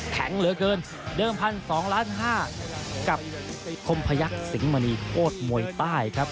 แข็งเหลือเกินเดิม๑๒ล้าน๕กับคมพยักษิงมณีโคตรมวยใต้ครับ